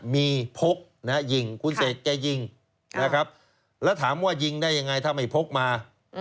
มีพกยิงคุณเสกแกยิงนะครับแล้วถามว่ายิงได้ยังไงถ้าไม่พกมา